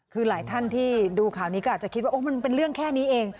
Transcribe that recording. คือหลายท่านที่ดูข่าวนี้ก็อาจจะคิดว่ามันเป็นเรื่องแค่นี้เอง